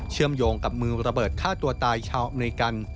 มโยงกับมือระเบิดฆ่าตัวตายชาวอเมริกัน